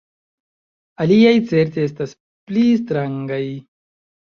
Aliaj certe estas pli strangaj.